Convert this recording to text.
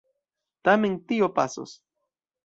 Tamen tio pasos.